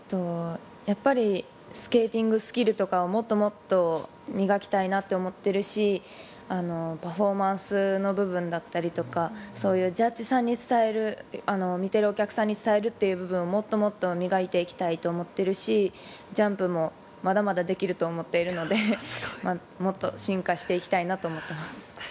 スケーティングスキルとかもっともっと磨きたいと思っているしパフォーマンスの部分などそういうジャッジさんに伝える見ているお客さんに伝える部分をもっともっと磨いていきたいと思っているしジャンプもまだまだできると思っているのでもっと進化していきたいなと思っています。